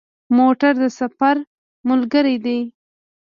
موټر د سفر ملګری دی.